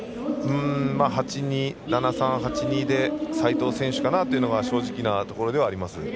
７対３、８対２で斉藤選手かなというのは正直なところではあります。